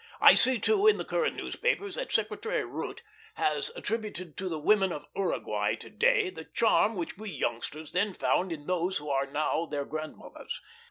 I see, too, in the current newspapers, that Secretary Root has attributed to the women of Uruguay to day the charm which we youngsters then found in those who are now their grand mothers.